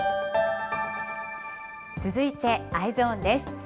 続いてＥｙｅｓｏｎです。